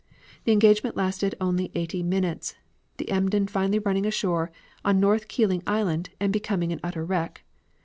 The engagement lasted eighty minutes, the Emden finally running ashore on North Keeling Island, and becoming an utter wreck.